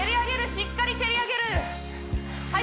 しっかり蹴り上げるはい